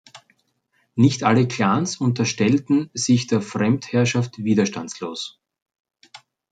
Nicht alle Clans unterstellten sich der Fremdherrschaft widerstandslos.